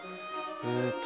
えっと